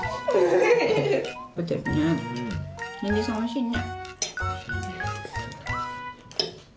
にんじんさんおいしいね。